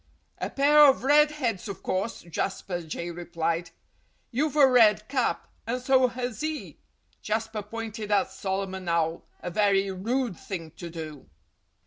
"A pair of red heads, of course!" Jasper Jay replied. "You've a red cap—and so has he!" Jasper pointed at Solomon Owl (a very rude thing to do!).